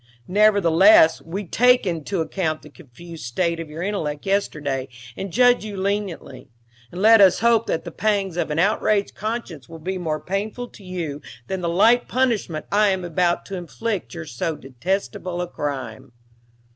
Nevertheless, we take into account the confused state of your intellect yesterday, and judge you leniently; and let us hope that the pangs of an outraged conscience will be more painful to you than the light punishment I am about to inflict for so destestable a crime."